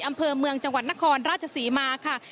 อำเภอเมืองจังหวัดนครราชศรีมาค่ะ